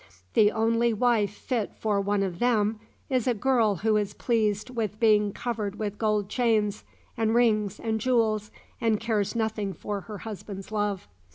The only wife fit for one of them, is a girl who is pleased with being covered with gold chains, and rings, and jewels, and cares nothing for her husband's love.